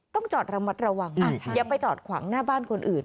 ต้องจอดระมัดระวังอย่าไปจอดขวางหน้าบ้านคนอื่น